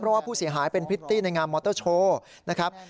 เพราะว่าผู้เสียหายเป็นพริตตี้ในงานมอเตอร์โชว์นะครับ